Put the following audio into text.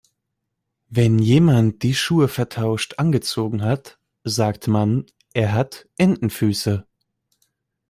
Wenn jemand die Schuhe vertauscht angezogen hat, sagt man, er hat Entenfüße.